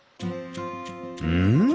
うん？